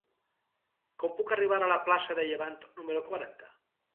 Com puc arribar a la plaça de Llevant número quaranta?